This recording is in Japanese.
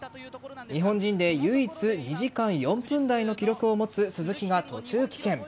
日本人で唯一２時間４分台の記録を持つ鈴木が途中棄権。